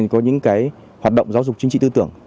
có những hoạt động giáo dục chính trị tư tưởng